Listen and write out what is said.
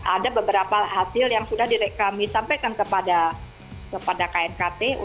ada beberapa hasil yang sudah kami sampaikan kepada knkt